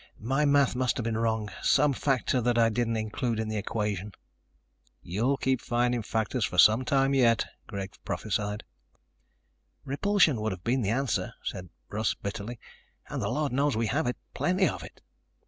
"My math must have been wrong, some factor that I didn't include in the equation." "You'll keep finding factors for some time yet," Greg prophesied. "Repulsion would have been the answer," said Russ bitterly. "And the Lord knows we have it. Plenty of it."